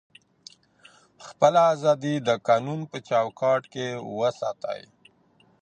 خپله ازادي د قانون په چوکاټ کي وساتئ.